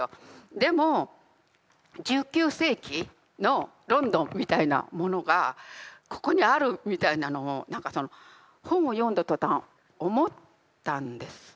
でも１９世紀のロンドンみたいなものがここにあるみたいなのを何かその本を読んだ途端思ったんです。